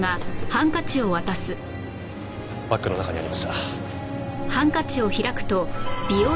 バッグの中にありました。